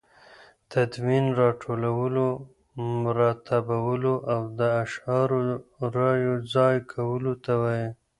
تدوین راټولو، مرتبولو او د اشعارو رايو ځاى کولو ته وايي.